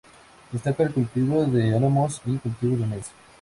Destaca el cultivo de álamos y cultivos de maíz.